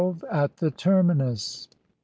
AT THE TERMINUS. .